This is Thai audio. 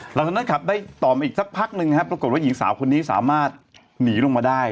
หลังจากนั้นขับได้ต่อมาอีกสักพักหนึ่งนะครับปรากฏว่าหญิงสาวคนนี้สามารถหนีลงมาได้